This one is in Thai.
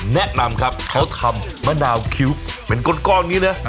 แนะนำครับเขาทำมะนาวคิ้วเป็นก้นกล้องนี้เนอะอ่า